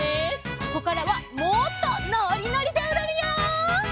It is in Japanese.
ここからはもっとのりのりでおどるよ！